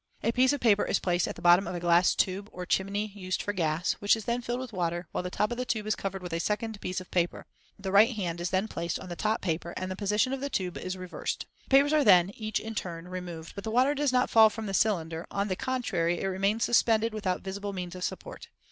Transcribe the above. A piece of paper is placed at the bottom of a glass tube or chimney used for gas, which is then filled with water, while the top of the tube is covered with a second piece of paper. The right hand is then placed on the top paper and the position of the tube reversed. The papers are then, each in turn, removed, but the water does not fall from the cylinder: on the contrary, it remains suspended without visible means of support.